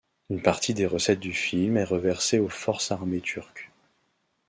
Une partie des recettes du film est reversée aux Forces armées turques.